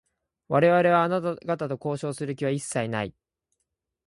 我々は、あなた方と交渉をする気は一切ない。